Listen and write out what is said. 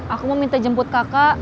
aku mau minta jemput kakak